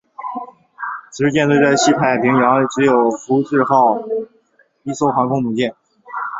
此时舰队在西太平洋只有福治谷号一艘航空母舰。